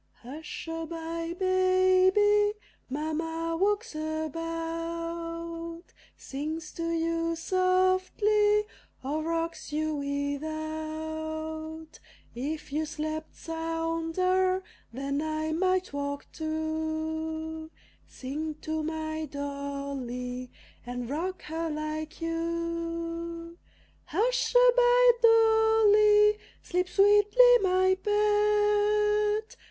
Hush a by, Baby! Mamma walks about, Sings to you softly, or rocks you without; If you slept sounder, then I might walk too, Sing to my Dolly, and rock her like you! Hush a by Dolly! Sleep sweetly, my pet!